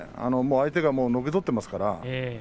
相手がのけぞっていましたからね。